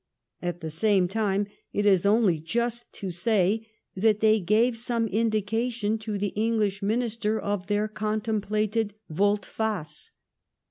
At the same time, it is, only just to say that they gave some indication to the English minister of their contemplated volte face.